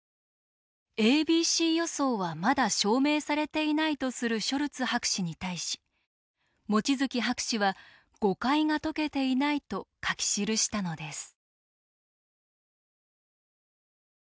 「ａｂｃ予想はまだ証明されていない」とするショルツ博士に対し望月博士は「誤解が解けていない」と書き記したのです。